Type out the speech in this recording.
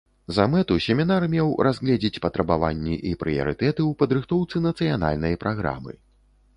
За мэту семінар меў разгледзець патрабаванні і прыярытэты ў падрыхтоўцы нацыянальнай праграмы.